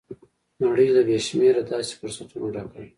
نړۍ له بې شمېره داسې فرصتونو ډکه ده.